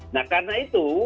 nah karena itu